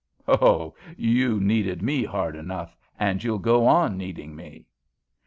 Oh, you needed me hard enough, and you'll go on needing me!